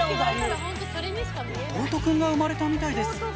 弟君が生まれたみたいです。